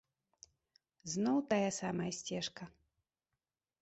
Зноў тая самая сцежка!